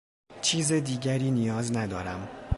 چیز دیگری نیاز ندارم.